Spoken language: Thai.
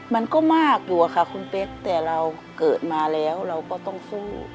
มันก็มากอยู่อะค่ะคุณเป๊กแต่เราเกิดมาแล้วเราก็ต้องสู้